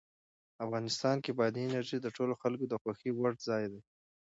افغانستان کې بادي انرژي د ټولو خلکو د خوښې وړ ځای دی.